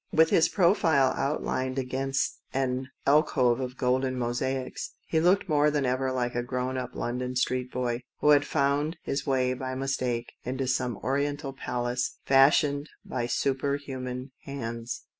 With his profile outlined against an alcove of golden mosaics, he looked more than ever like a grown up London street boy, who had found his way, by mistake, into some Oriental palace fashioned by super human hands.